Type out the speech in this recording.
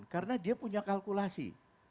karena dia punya kalkulasi